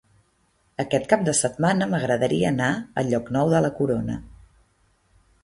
Aquest cap de setmana m'agradaria anar a Llocnou de la Corona.